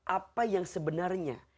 apa yang sebenarnya